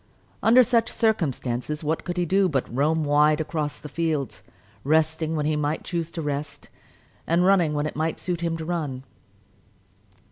Under such circumstances what could he do but roam wide about across the fields, resting when he might choose to rest, and running when it might suit him to run.